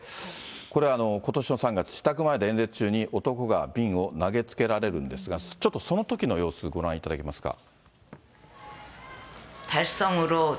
これは、ことしの３月、自宅前で演説中に男に瓶を投げつけられるんですが、ちょっと、そのときの様子、ご覧いただけますか。